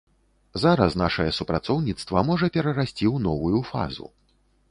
Зараз нашае супрацоўніцтва можа перарасці ў новую фазу.